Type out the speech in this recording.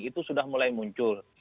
itu sudah mulai muncul